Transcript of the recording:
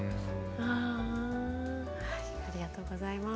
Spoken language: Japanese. はあはいありがとうございます。